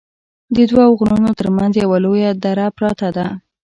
ددوو غرونو تر منځ یوه لویه دره پراته ده